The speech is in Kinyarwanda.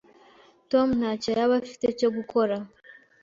Tom ntacyo yaba afite cyo gukora.